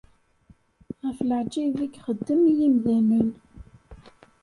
Ɣef leɛǧayeb i ixeddem i yimdanen.